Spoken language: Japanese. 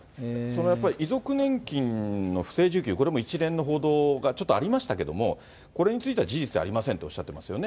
遺族年金の不正受給、これも一連の報道がちょっとありましたけども、これについては事実ではありませんとおっしゃっていますよね。